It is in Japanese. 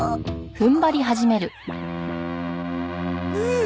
うっ！